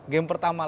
game pertama lanjut